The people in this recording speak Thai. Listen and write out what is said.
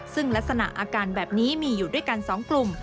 ซึ่งลักษณะอาการแบบนี้มีอยู่ด้วยกัน๒กลุ่ม